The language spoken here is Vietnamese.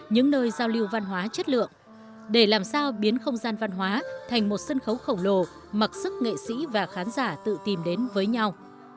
những nơi giao lưu văn hóa chất lượng để làm sao biến không gian văn hóa thành một sân khấu khổng lồ mặc sức nghệ sĩ và khán giả tự tìm đến với nhau